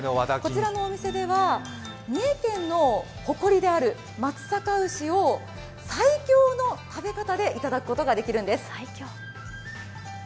こちらのお店では三重県の誇りである松阪牛を最強の食べ方で頂くことができるんです。